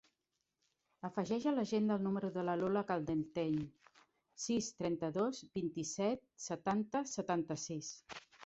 Afegeix a l'agenda el número de la Lola Caldentey: sis, trenta-dos, vint-i-set, setanta, setanta-sis.